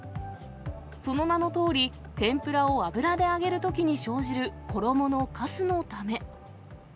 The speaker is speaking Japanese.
その名のとおり、天ぷらを油で揚げるときに生じる衣のかすのため。